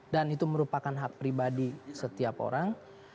dan itu merupakan hak pribadi setiap orang